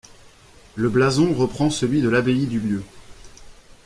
Le blason reprend celui de l'abbaye du lieu.